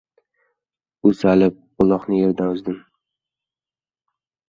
Uzalib, uloqni yerdan uzdim.